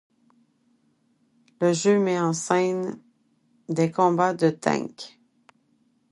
Le jeu met en scène des combats de tanks.